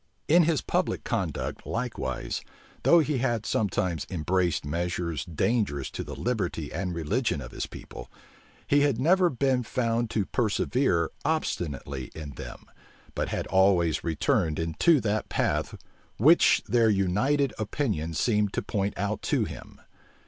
[] In his public conduct likewise, though he had sometimes embraced measures dangerous to the liberty and religion of his people, he had never been found to persevere obstinately in them, but had always returned into that path which their united opinion seemed to point out to him.